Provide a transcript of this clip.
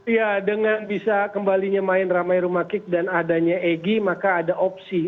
ya dengan bisa kembalinya main ramai rumakik dan adanya egy maka ada opsi